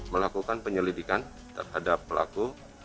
melakukan penyelidikan terhadap pelaku